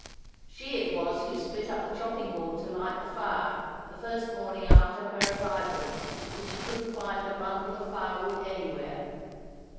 She it was who split up the chopping board to light the fire, the first morning after her arrival, because she couldn't find a bundle of firewood anywhere.